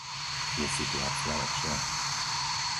Je situácia lepšia?